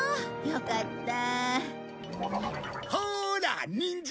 よかった。